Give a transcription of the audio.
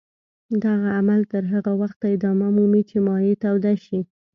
دغه عمل تر هغه وخته ادامه مومي چې مایع توده شي.